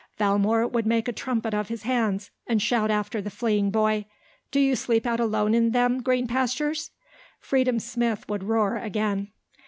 Valmore would make a trumpet of his hands and shout after the fleeing boy. "Do you sleep out alone in them green pastures?" Freedom Smith would roar again.